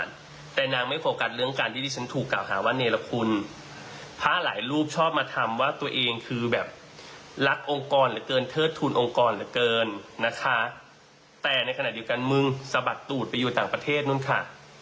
แต่ในขณะเดียวกันมึงสะบัดตูดไปอยู่ต่างประเทศนู่นค่ะ